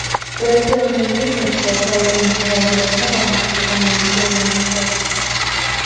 Працоўную дзейнасць пачаў інжынерам-тэхнолагам чыгуналіцейнага цэха.